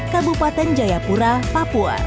kabupaten jayapura papua